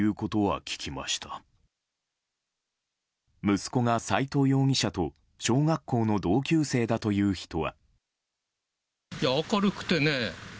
息子が斎藤容疑者と小学校の同級生だという人は。